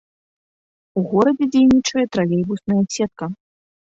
У горадзе дзейнічае тралейбусная сетка.